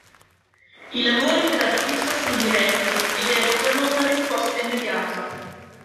I lavori dell'artista sono diretti ed evocano una risposta immediata.